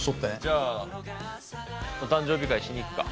じゃあお誕生日会しに行くか。